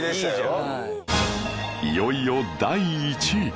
いよいよ第１位